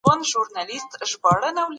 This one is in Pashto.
نیوکلاسیکانو د کلاسیکانو نظریات اصلاح کړل.